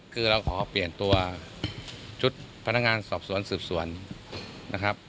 คือเราขอเปลี่ยนตัวชุดพนักงานสอบสวนสืบสวนนะครับ